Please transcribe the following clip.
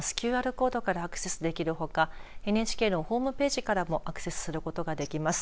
ＱＲコードからアクセスできるほかＮＨＫのホームページからもアクセスすることができます。